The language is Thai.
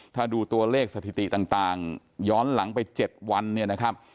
ถ้าดูตัวเลขสถิติต่างย้อนหลังไป๗วัน